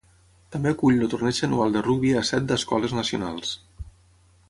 També acull el torneig anual de rugbi a set d'escoles nacionals.